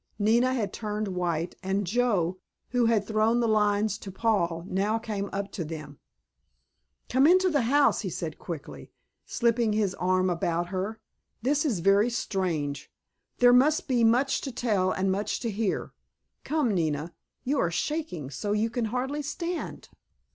Nina had turned white, and Joe, who had thrown the lines to Paul, now came up to them. "Come into the house," he said quickly, slipping his arm about her. "This is very strange. There must be much to tell and much to hear. Come, Nina, you are shaking so you can hardly stand."